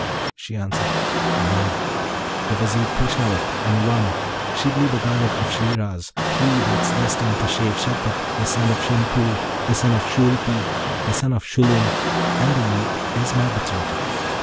She answered, 'One, the Vizier Feshnavat; and one, Shibli Bagarag of Shiraz, he that's destined to shave Shagpat, the son of Shimpoor, the son of Shoolpi, the son of Shullum; and the youth is my betrothed.'